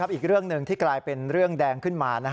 อีกเรื่องหนึ่งที่กลายเป็นเรื่องแดงขึ้นมา